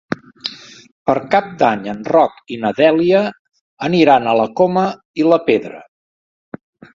Per Cap d'Any en Roc i na Dèlia aniran a la Coma i la Pedra.